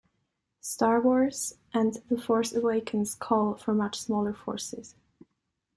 "Star Wars" and "The Force Awakens" call for much smaller forces.